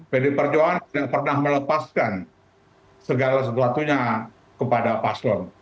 pdi perjuangan yang pernah melepaskan segala sebuah tunia kepada paslo